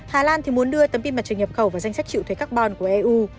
hà lan thì muốn đưa tấm pin mặt trời nhập khẩu vào danh sách chịu thuế carbon của eu